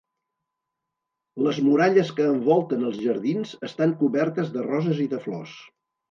Les muralles que envolten els jardins estan cobertes de roses i de flors.